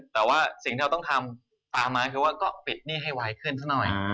แต่ว่าสิ่งที่เราต้องทำตามมาคือว่าก็ปิดหนี้ให้ไวขึ้นซะหน่อย